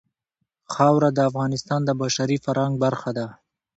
خاوره د افغانستان د بشري فرهنګ برخه ده.